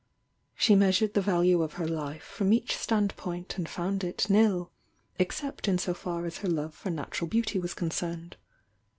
She measured the value of her life from each standpoint and found it nil, except in «) far as her love for natural beauty was concerned.